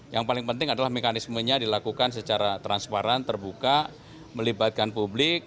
yang paling penting adalah mekanismenya dilakukan secara transparan terbuka melibatkan publik